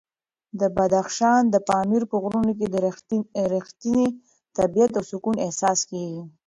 د بدخشان د پامیر په غرونو کې د رښتیني طبیعت او سکون احساس کېږي.